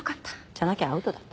じゃなきゃアウトだった。